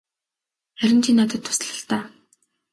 Харин чи надад тусал л даа.